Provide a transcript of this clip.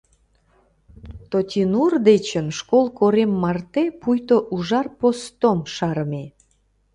Тотинур дечын школ корем марте пуйто ужар постом шарыме.